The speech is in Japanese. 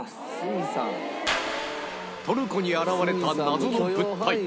トルコに現れた謎の物体